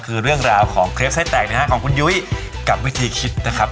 คือเรื่องราวของเคล็ปไส้แตกนะฮะของคุณยุ้ยกับวิธีคิดนะครับ